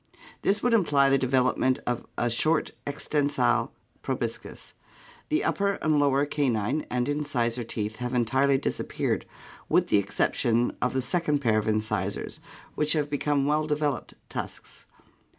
This would imply the development of a short extensile proboscis. The up per and lower ca nine and incisor teeth have entirely disappeared, with the exception of the second pair of incisors, which have become well developed tusks.